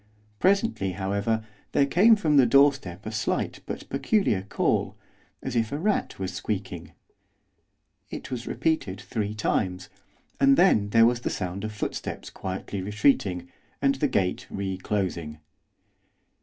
Presently, however, there came from the doorstep a slight but peculiar call, as if a rat was squeaking. It was repeated three times, and then there was the sound of footsteps quietly retreating, and the gate re closing.